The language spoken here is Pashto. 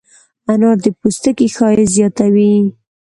انار د پوستکي ښایست زیاتوي.